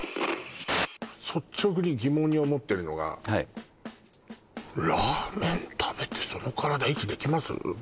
率直に疑問に思ってるのがはいラーメン食べてその体維持できます？